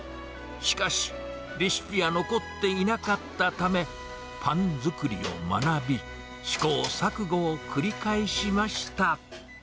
しかし、レシピは残っていなかったため、パン作りを学び、試行錯誤を繰り返しました。